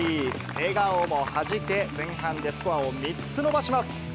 笑顔もはじけ、前半でスコアを３つ伸ばします。